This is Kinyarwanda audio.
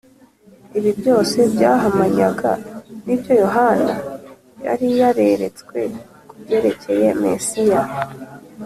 . Ibi byose byahamanyaga n’ibyo Yohana yari yareretswe ku byerekeye Mesiya